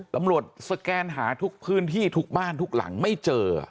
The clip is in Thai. สแกนหาทุกพื้นที่ทุกบ้านทุกหลังไม่เจอ